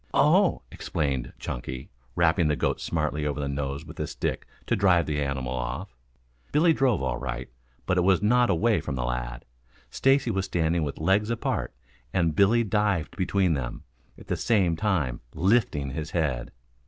"Oh!" exclaimed Chunky, rapping the goat smartly over the nose with the stick to drive the animal off. Billy drove all right, but it was not away from the lad. Stacy was standing with legs apart and Billy dived between them, at the same time lifting his head.